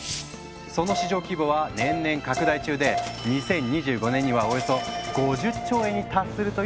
その市場規模は年々拡大中で２０２５年にはおよそ５０兆円に達するという予測もあるんです。